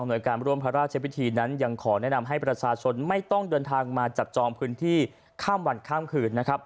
โดยการร่วมพระราชพิธีนั้นยังขอแนะนำให้ประชาชนไม่ต้องเดินทางมาจับจองพื้นที่ข้ามวันข้ามคืนนะครับ